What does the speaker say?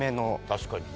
確かにね。